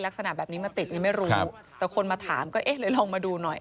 ลักษณะแบบนี้มาติดยังไม่รู้แต่คนมาถามก็เอ๊ะเลยลองมาดูหน่อย